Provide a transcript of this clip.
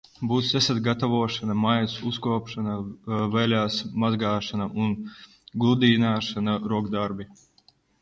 Būs ēst gatavošana, mājas uzkopšana, veļas mazgāšana un gludināšana, rokdarbi.